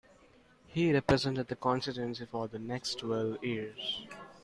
He represented the constituency for the next twelve years.